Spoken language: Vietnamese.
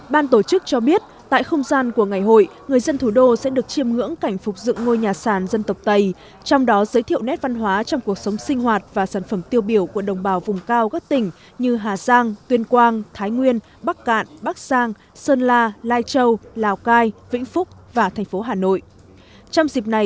bàn tổ chức cho biết tại không gian của ngày hội người dân thủ đô sẽ được chiêm ngưỡng cảnh phục dựng ngôi nhà sản dân tộc tây trong đó giới thiệu nét văn hóa trong cuộc sống sinh hoạt và sản phẩm tiêu biểu của đồng bào vùng cao các tỉnh như hà giang tuyên quang thái nguyên bắc cạn bắc giang sơn la lai châu lào cai vĩnh phúc và thành phố hà nội